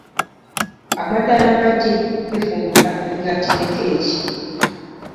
Amata n'amagi bifumba emigaati ne keeki